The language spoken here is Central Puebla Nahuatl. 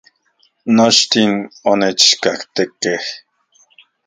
Nochtin onechkajtekej